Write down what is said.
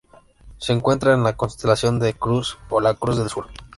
Se encuentra en la constelación de Crux o la Cruz del Sur.